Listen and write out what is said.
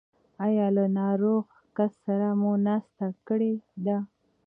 ایا له ناروغ کس سره مو ناسته کړې ده؟